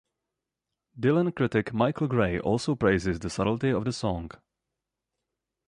Dylan critic Michael Gray also praises the subtlety of the song.